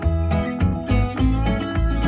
กินข้าวขอบคุณครับ